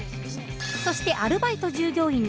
そしてアルバイト従業員の２人。